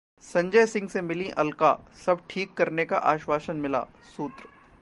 संजय सिंह से मिलीं अलका, सब ठीक करने का आश्वासन मिला: सूत्र